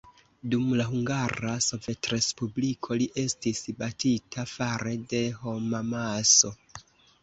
Dum la Hungara Sovetrespubliko li estis batita fare de homamaso.